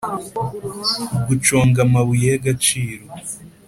guconga amabuye y agaciro